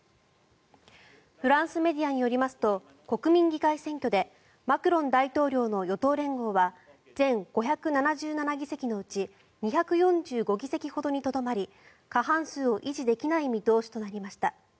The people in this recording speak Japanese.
フランスメディアによりますと国民議会選挙でマクロン大統領の与党連合は全５７７議席のうち２４５議席ほどにとどまり過半数を維持できない見通しとなりました。